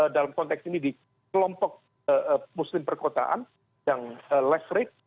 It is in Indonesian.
dalam konteks ini di kelompok muslim perkotaan yang leverage